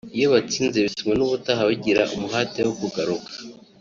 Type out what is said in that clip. iyo batsinze bituma n’ubutaha bagira umuhate wo kugaruka